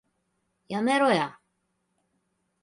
やめろや